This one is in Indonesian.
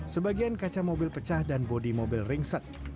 sebagian kaca mobil pecah dan bodi mobil ringset